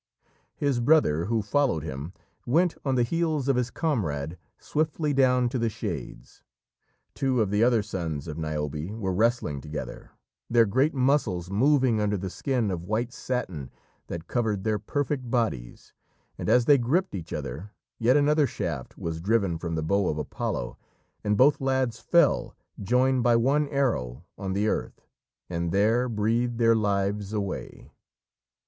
His brother, who followed him, went on the heels of his comrade swiftly down to the Shades. Two of the other sons of Niobe were wrestling together, their great muscles moving under the skin of white satin that covered their perfect bodies, and as they gripped each other, yet another shaft was driven from the bow of Apollo, and both lads fell, joined by one arrow, on the earth, and there breathed their lives away.